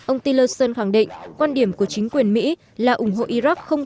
ông tillerson khẳng định quan điểm của chính quyền mỹ là ủng hộ iraq không